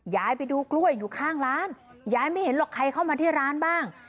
ยายไปดูกล้วยอยู่ข้างร้านยายไม่เห็นหรอกใครเข้ามาที่ร้านบ้าง